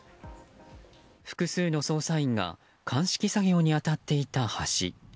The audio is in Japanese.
複数の捜査員が鑑識作業に当たっていた橋。